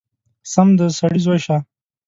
سم د سړي زوی شه!!!